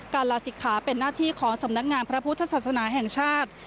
ลาศิกขาเป็นหน้าที่ของสำนักงานพระพุทธศาสนาแห่งชาติ